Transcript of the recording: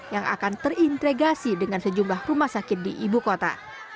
yang akan terintegrasi dengan sejumlah rumah sakit di ibu kota